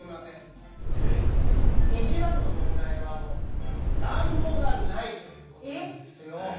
一番の問題はもう暖房がないということなんですよ。